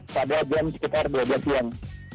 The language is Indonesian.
pada jam sekitar dua belas siang